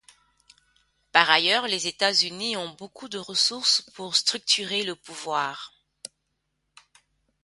Par ailleurs les États-Unis ont beaucoup de ressources pour structurer le pouvoir.